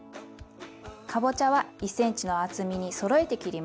かぼちゃは１ｃｍの厚みにそろえて切ります。